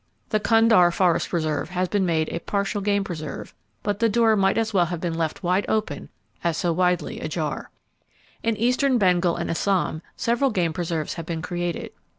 The Kundah Forest Reserve has been made a partial game preserve, but the door might as well have been left wide open as so widely ajar. In eastern Bengal and Assam, several game preserves have been created.